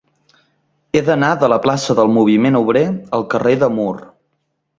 He d'anar de la plaça del Moviment Obrer al carrer de Mur.